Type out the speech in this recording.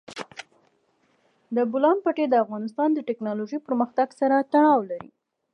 د بولان پټي د افغانستان د تکنالوژۍ پرمختګ سره تړاو لري.